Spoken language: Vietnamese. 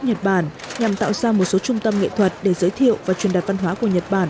nhật bản nhằm tạo ra một số trung tâm nghệ thuật để giới thiệu và truyền đạt văn hóa của nhật bản